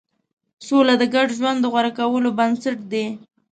سوله د ګډ ژوند د غوره کولو بنسټ دی.